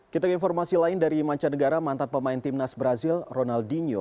kita ke informasi lain dari mancanegara mantan pemain timnas brazil ronaldinho